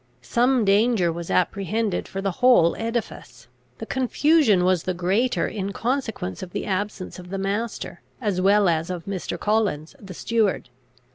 Some danger was apprehended for the whole edifice. The confusion was the greater, in consequence of the absence of the master, as well as of Mr. Collins, the steward.